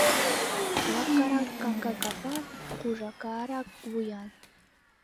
Лапкарак каҥга капан, кужакарак вуян.